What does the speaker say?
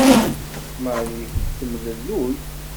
Marie tettemlelluy.